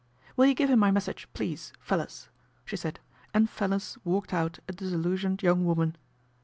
"Will you give him my message, please, Fellers ?" she said, and Fellers walked out a disillusioned young woman.